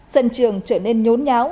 sân trường trở nên nhốn nháo